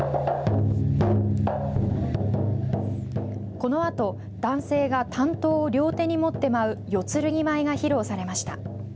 このあと男性が短刀を両手に持って舞う四剣舞が披露されました。